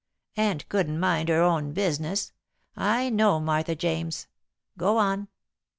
"And couldn't mind her own business. I know Martha James. Go on."